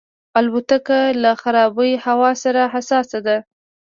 الوتکه له خرابې هوا سره حساسه ده.